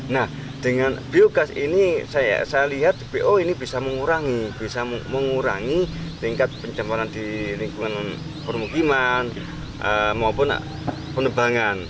nah dengan biogas ini saya lihat po ini bisa mengurangi bisa mengurangi tingkat pencemaran di lingkungan permukiman maupun penebangan